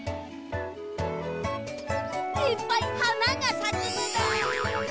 いっぱいはながさくのだ。